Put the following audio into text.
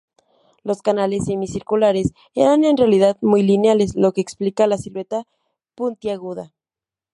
Los canales semicirculares eran en realidad muy lineales, lo que explica la silueta puntiaguda.